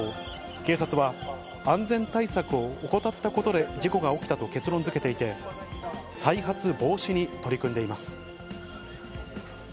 警察は、安全対策を怠ったことで事故が起きたと結論づけていて、再発防止に取り組んでいます。